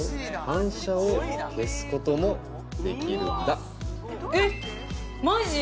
反射を消すこともできるんだえっマジ？